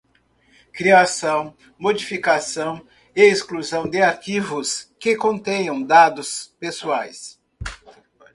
Criação, modificação e exclusão de arquivos que contenham dados pessoais.